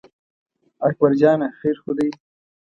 اکبر جانه خیر خو دی.